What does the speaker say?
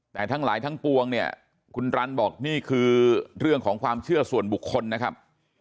แต่ทั้งหลายทั้งปวงเนี่ยคุณรันบอกนี่คือเรื่องของความเชื่อส่วนบุคคลนะครับ